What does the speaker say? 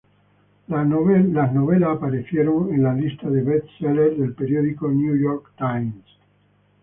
Las novelas aparecieron en la lista de Best Sellers del periódico New York Times.